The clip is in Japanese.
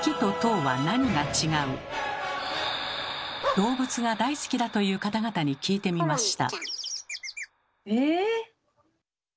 動物が大好きだという方々に聞いてみました。